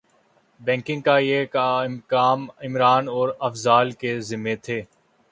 booking کا یہ کام عمران اور افضال کے ذمے تھے